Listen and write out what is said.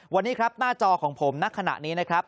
วันนี้ครับหน้าจอของผมณขณะนี้นะครับ